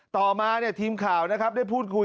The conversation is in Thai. ต่อมาทีมข่าวได้พูดคุย